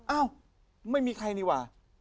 อ้าวไม่มีใครนี่หว่า